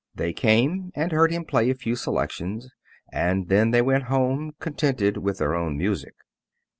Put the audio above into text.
They came and heard him play a few selections, and then they went home contented with their own music.